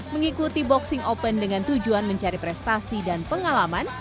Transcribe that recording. mengikuti boxing open dengan tujuan mencari prestasi dan pengalaman